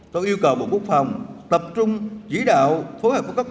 tôi yêu cầu bộ quốc phòng tập trung chỉ đạo phối hợp với các